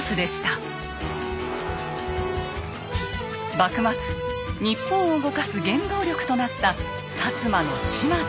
幕末日本を動かす原動力となった摩の島津。